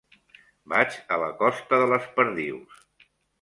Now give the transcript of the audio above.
Vaig a la costa de les Perdius.